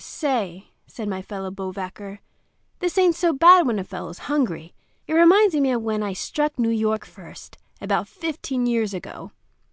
"Say," said my fellow bivouacker, "this ain't so bad when a fellow's hungry. It reminds me of when I struck New York first—about fifteen years ago.